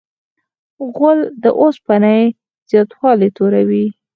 غول د اوسپنې زیاتوالی توروي.